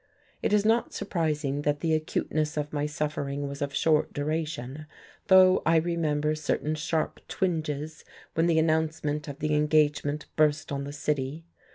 It is not surprising that the acuteness of my suffering was of short duration, though I remember certain sharp twinges when the announcement of the engagement burst on the city.